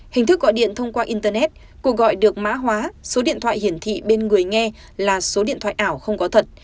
hình thức gọi điện thông qua internet cuộc gọi được mã hóa số điện thoại hiển thị bên người nghe là số điện thoại ảo không có thật